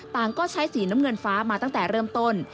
ก็ใช้สีน้ำเงินฟ้ามาตั้งแต่เริ่มต้น